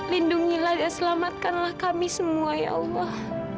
lindungilah dan selamatkanlah kami semua ya allah